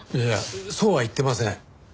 いやそうは言ってません。